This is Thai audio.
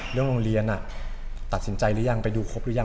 โรงเรียนตัดสินใจหรือยังไปดูครบหรือยัง